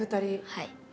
はい。